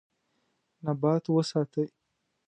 نبات وساتئ.